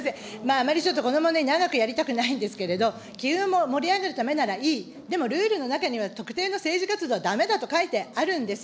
あまりちょっとこの問題、長くやりたいないんですけれども、機運も盛り上げるためならいい、でもルールの中には特定の政治活動はだめだと書いてあるんです。